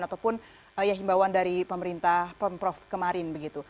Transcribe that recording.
ataupun ya himbauan dari pemerintah pemprov kemarin begitu